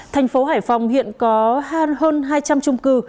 thành phố hải phòng hiện có hơn hai trăm linh trung cư